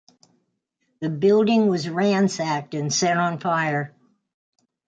The building was ransacked and set on fire.